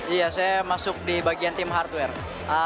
iya saya masuk di bagian tim hardware